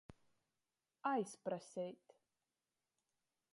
Aizpraseit.